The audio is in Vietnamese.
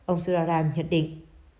ông sudararan nhận định